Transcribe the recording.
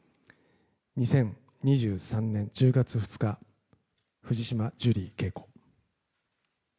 ２０２３年１０月２日藤島ジュリー景子。